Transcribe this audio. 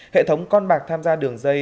hệ thống con bạc tham gia đường dây